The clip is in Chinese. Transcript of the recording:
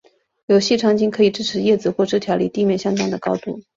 有细长茎可以支持叶子或枝条离地面相当的高度。